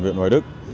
viện hoài đức